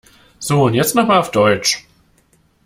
So und jetzt noch mal auf Deutsch.